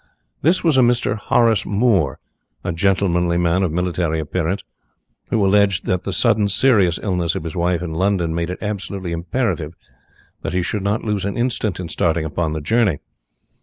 This was a Mr. Horace Moore, a gentlemanly man of military appearance, who alleged that the sudden serious illness of his wife in London made it absolutely imperative that he should not lose an instant in starting upon the journey.